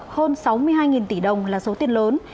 hơn sáu mươi hai tỷ đồng là số tiền lớn